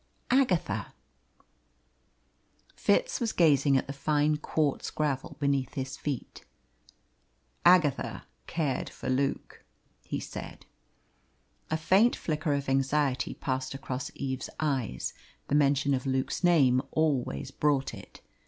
"Agatha." Fitz was gazing at the fine quartz gravel beneath his feet. "Agatha cared for Luke," he said. A faint flicker of anxiety passed across Eve's eyes the mention of Luke's name always brought it.